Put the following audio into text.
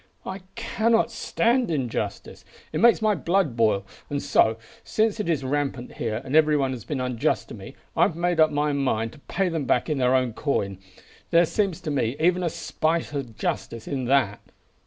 I cannot stand injustice. It makes my blood boil, and so, since it is rampant here, and everybody has been unjust to me, I have made up my mind to pay them back in their own coin. There seems to me even a spice of justice in that."